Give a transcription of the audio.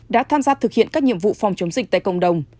đã tham gia thực hiện các nhiệm vụ phòng chống dịch tại cộng đồng